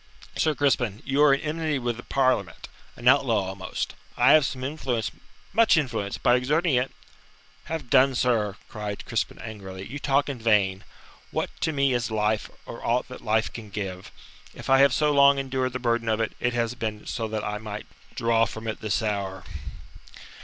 "Sir Crispin, you are in enmity with the Parliament an outlaw almost. I have some influence much influence. By exerting it " "Have done, sir!" cried Crispin angrily. "You talk in vain. What to me is life, or aught that life can give? If I have so long endured the burden of it, it has been so that I might draw from it this hour.